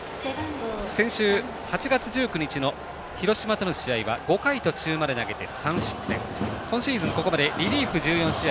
先週、８月１９日の広島との試合は５回途中まで投げて３失点今シーズン、ここまでリリーフ１４試合